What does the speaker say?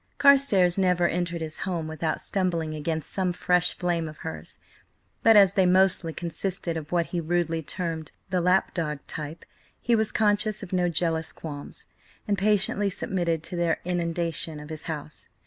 Carstares never entered his home without stumbling against some fresh flame of hers, but as they mostly consisted of what he rudely termed the lap dog type, he was conscious of no jealous qualms, and patiently submitted to their inundation of his house.